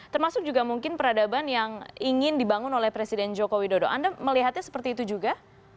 termasuk juga mungkin peradaban yang ingin dibangun oleh presiden joko widodo anda melihatnya seperti itu juga